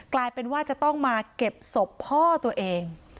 กลายเป็นว่าจะต้องมาเก็บศพพ่อตัวเอง